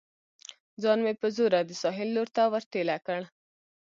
ځان مې په زوره د ساحل لور ته ور ټېله کړ.